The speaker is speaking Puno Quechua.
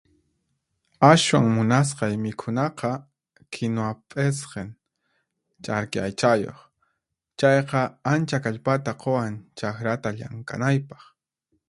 Ashwan munasqay mikhunaqa kinwa p'isqin, ch'arki aychayuq. Chayqa ancha kallpata quwan chaqrata llank'anaypaq.